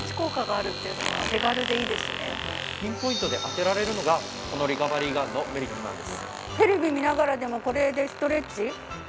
ピンポイントで当てられるのがこのリカバリーガンのメリットなんです。